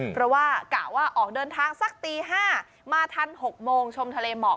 เพราะว่ากะว่าออกเดินทางสักตี๕มาทัน๖โมงชมทะเลหมอก